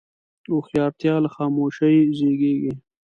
هوښیارتیا له خاموشۍ زیږېږي.